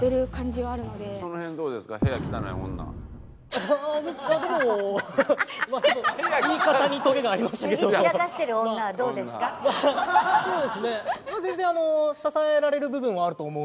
はいそうですね。